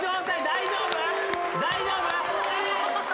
大丈夫？